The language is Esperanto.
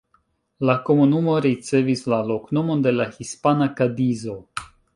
La komunumo ricevis la loknomon de la hispana Kadizo.